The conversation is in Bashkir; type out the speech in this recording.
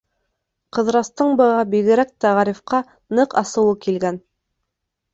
Ҡыҙырастың быға, бигерәк тә Ғарифҡа, ныҡ асыуы килгән.